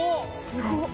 すごっ。